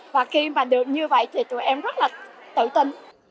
và khi mà được như vậy thì tụi em rất là tự tin